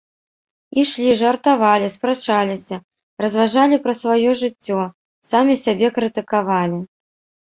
Ішлі, жартавалі, спрачаліся, разважалі пра сваё жыццё, самі сябе крытыкавалі.